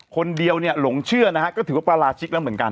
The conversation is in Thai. คนเดียวเนี่ยหลงเชื่อนะฮะก็ถือว่าปราชิกแล้วเหมือนกัน